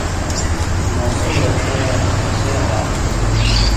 ماسُم رڇھَیں یاں کسے حاق تُھو،